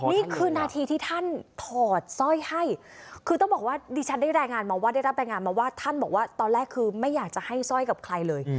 นี่คือนาทีที่ท่านถอดสร้อยให้คือต้องบอกว่าดิฉันได้รายงานมาว่าได้รับรายงานมาว่าท่านบอกว่าตอนแรกคือไม่อยากจะให้สร้อยกับใครเลย